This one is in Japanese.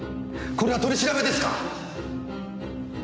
これは取り調べですか？